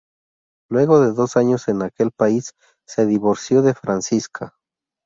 Luego de años en aquel país se divorció de Franziska.